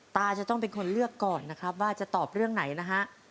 ตาจะต้องเป็นคนเลือกก่อนนะครับว่าจะตอบเรื่องไหนนะฮะ